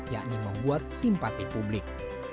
yakni membuat simpati publik